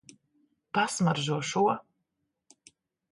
Pasmaržo šo.